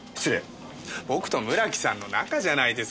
僕と村木さんの仲じゃないですか。